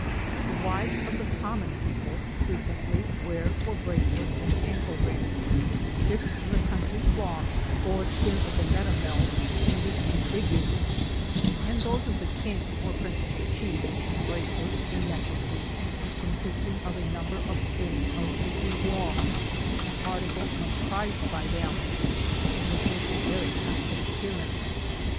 The wives of the common people frequently wear for bracelets and ancie rings, strips of the country cloth or skin of the M^tameith painted in figures, and tbo^e of the king or principal chiefs, bracelets and necklaces, consisting of a number of strings of Tfe waw, an article much prized by them, and which makes a very handsome appearance.